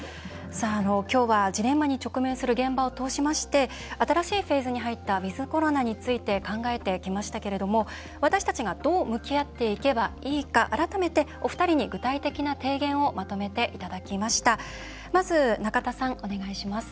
きょうはジレンマに直面する現場を通しまして新しいフェーズに入ったウィズコロナについて考えてきましたけれども私たちがどう向き合っていけばいいか改めて、お二人に具体的な提言をまとめていただきました。